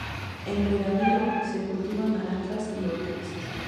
En regadío se cultivan naranjas y hortalizas.